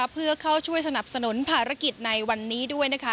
เพื่อเข้าช่วยสนับสนุนภารกิจในวันนี้ด้วย